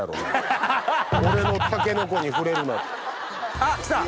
あっきた！